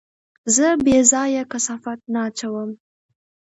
زه بېځايه کثافات نه اچوم.